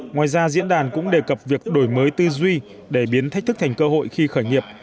ngoài ra diễn đàn cũng đề cập việc đổi mới tư duy để biến thách thức thành cơ hội khi khởi nghiệp